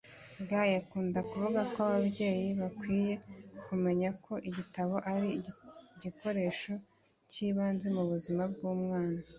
Gyr-Ukunda avuga ko ababyeyi bakwiye kumenya ko igitabo ari igikoresho cy’ibanze mu buzima bw’umwana